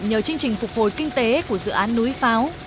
nhờ chương trình phục hồi kinh tế của dự án núi pháo